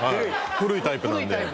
古いタイプなんで。